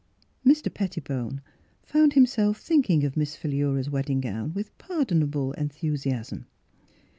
Mr. Pettibone found himself thinking of Miss Philura's wedding gown with par donable enthusiasm.